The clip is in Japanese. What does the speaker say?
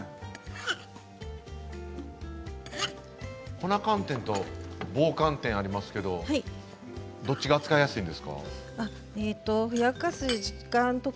粉寒天と棒寒天がありますけどどっちが扱いやすいですか？